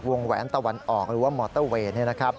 แหวนตะวันออกหรือว่ามอเตอร์เวย์